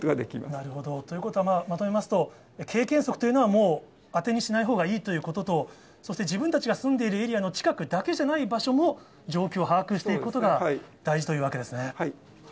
なるほど。ということは、まとめますと、経験則というのは、もう当てにしないほうがいいということと、そして、自分たちが住んでいるエリアの近くだけじゃない場所も、状況を把握していくことが大事というわけですね。